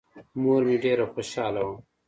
مور مې ډېره خوشاله وه.